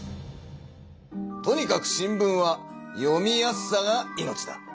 とにかく新聞は読みやすさが命だ。